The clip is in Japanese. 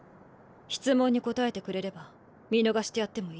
質問に答えてくれれば見逃してやってもいいけど。